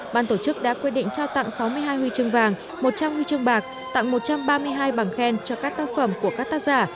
ban tổ chức đã quyết định trao tặng sáu mươi hai huy chương vàng một trăm linh huy chương bạc tặng một trăm ba mươi hai bằng khen cho các tác phẩm của các tác giả